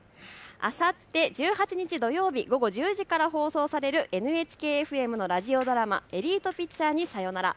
あさって１８日土曜日午後１０時から放送されるＮＨＫＦＭのラジオドラマ、エリートピッチャーにさよなら。